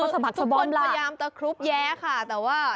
ทุกคนพยายามตะครุบแย้ค่ะ